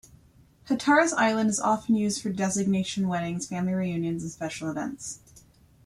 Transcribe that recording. Hatteras Island is often used for destination weddings, family reunions, and special events.